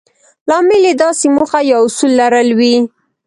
لامل يې داسې موخه يا اصول لرل وي.